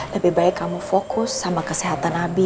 lebih baik kamu fokus sama kesehatan nabi